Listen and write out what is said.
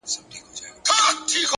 صادق چلند درناوی ژوروي.!